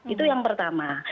itu yang pertama